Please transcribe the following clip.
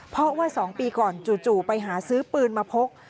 เพราะว่า๒ปีก่อนจู่ไปหาซื้อปืนมาพก